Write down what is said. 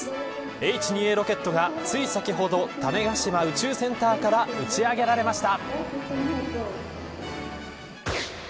Ｈ２Ａロケットがつい先ほど種子島宇宙センターから打ち上げられました。